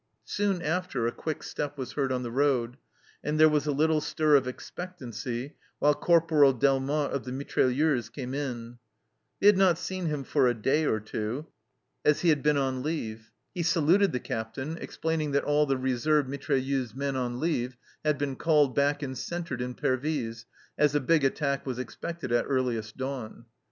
Soon after a quick step was heard on the road, and there was a little stir of expectancy while Corporal Delmotte of the Mitrailleurs came in. They had not seen him for a day or two, as he had 204 THE CELLAR HOUSE OF PERVYSE been on leave. He saluted the Captain, explaining that all the reserve mitrailleuse men on leave had been called back and centred in Pervyse, as a big attack was expected at earliest dawn.